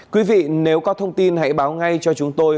quý vị nếu có thông tin hãy báo ngay cho chúng tôi